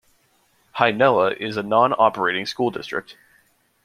Hi-Nella is a non-operating school district.